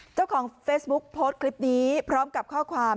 เจ้าของเฟซบุ๊คโพสต์คลิปนี้พร้อมกับข้อความ